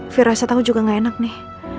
virasa tau juga gak enak nih